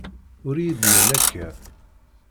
Ur iyi-d-nnin akka.